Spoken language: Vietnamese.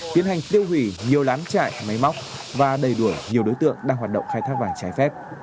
tiến hành tiêu hủy nhiều lán trại máy móc và đầy đuổi nhiều đối tượng đang hoạt động khai thác vàng trái phép